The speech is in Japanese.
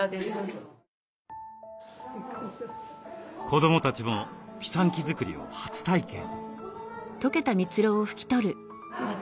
子どもたちもピサンキ作りを初体験。